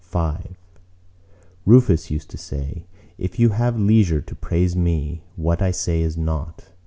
V Rufus used to say, If you have leisure to praise me, what I say is naught.